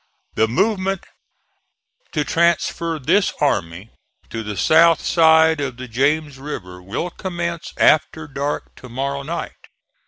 The movement to transfer this army to the south side of the James River will commence after dark to morrow night.